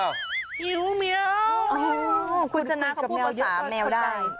หิวเมี๊ยวหอหอพี่ทำมันเป็นคนพูดภาษาแมวได้